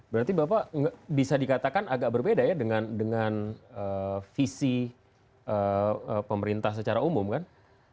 berarti bapak bisa dikatakan agak berbeda ya dengan visi pemerintah secara umum kan